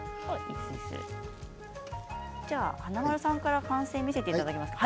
華丸さんから完成を見せていただけますか。